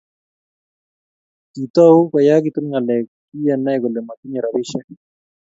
Kitou kiyakituu ng'alek kiyenai kole motinye robishe.